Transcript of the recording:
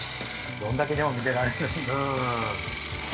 どんだけでも見てられる。